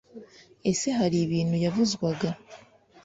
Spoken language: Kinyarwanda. ese hari ibintu yabuzwaga?